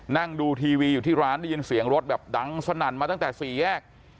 นั่งดูทีวีอยู่ที่ร้านได้ยินเสียงรถแบบดังสนั่นมาตั้งแต่สี่แยก